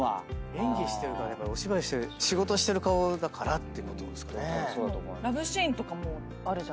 演技してるから仕事してる顔だからってことですかね。